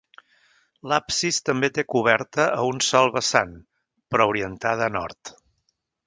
L'absis també té coberta a un sol vessant però orientada a nord.